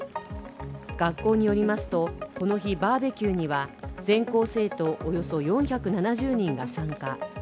学校によりますと、この日、バーベキューには全校生徒およそ４７０人が参加。